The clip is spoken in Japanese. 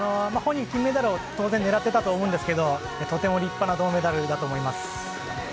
本人、金メダルを狙っていたと思うんですがとても立派な銅メダルだと思います。